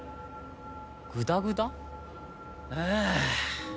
グダグダ？はあ。